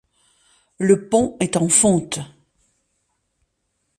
Le pont est en fonte.